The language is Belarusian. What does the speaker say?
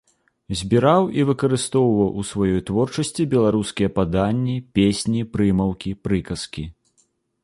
Збіраў і выкарыстоўваў у сваёй творчасці беларускія паданні, песні, прымаўкі, прыказкі.